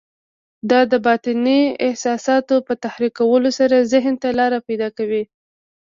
دا د باطني احساساتو په تحريکولو سره ذهن ته لاره پيدا کوي.